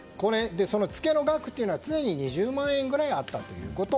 ツケの額というのが常に２０万円ぐらいあったということ。